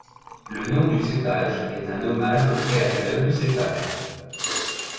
Le nom du cépage est un hommage au créateur du cépage.